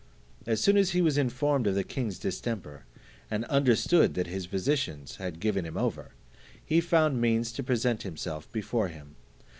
As soon as he was informed of the king's distemper, and understood that his physicians had given him over, he found means to present himself before him.